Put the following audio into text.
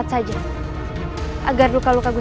apa pun akan aku lakukan